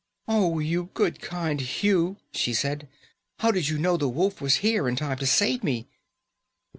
"Oh, you good, kind Hugh," she said, "how did you know the wolf was here, in time to save me?"